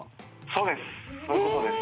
そうですそういうことです。